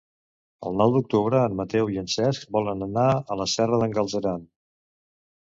El nou d'octubre en Mateu i en Cesc volen anar a la Serra d'en Galceran.